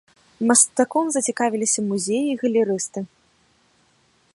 Мастаком зацікавіліся музеі і галерысты.